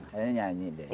saya nyanyi deh